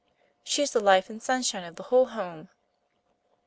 She's the life and sunshine of the whole home."